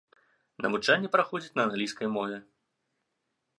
Навучанне праходзіць на англійскай мове.